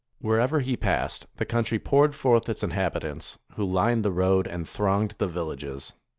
Wherever he passed, the country poured forth its inhabitants, who lined the road and thronged the villages.